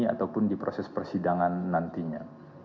ataupun di proses persidangan nantinya